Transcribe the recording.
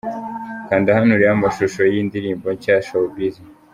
Kanda hano urebe amashusho y'iyi ndirimbo nshya 'Showbiz' .